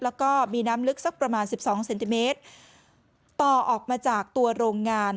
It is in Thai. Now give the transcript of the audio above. แล้วก็มีน้ำลึกสักประมาณสิบสองเซนติเมตรต่อออกมาจากตัวโรงงาน